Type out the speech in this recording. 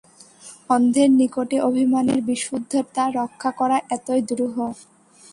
অন্ধের নিকটে অভিমানের বিশুদ্ধতা রক্ষা করা এতই দুরূহ।